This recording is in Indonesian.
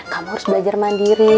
kamu harus belajar mandiri